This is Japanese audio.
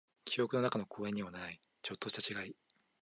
記憶の中の公園にはない、ちょっとした違い。